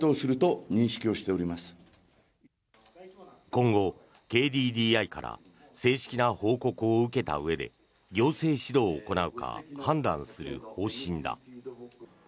今後、ＫＤＤＩから正式な報告を受けたうえで行政指導を行うか判断する方針だ。